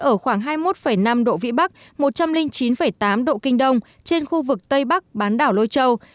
ở khoảng hai mươi một năm độ vĩ bắc một trăm linh chín tám độ kinh đông trên khu vực tây bắc bán đảo lôi châu